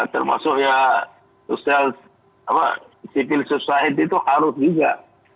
termasuk ya sosial apa civil society itu harus juga